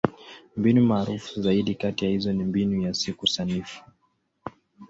Mbinu maarufu zaidi kati ya hizo ni Mbinu ya Siku Sanifu.